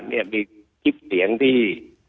มีคลิปเสียงที่